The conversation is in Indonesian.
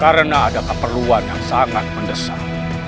karena ada keperluan yang sangat mendesak